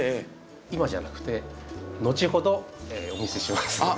今じゃなくてのちほどお見せしますので。